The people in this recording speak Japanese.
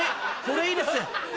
これいいですね。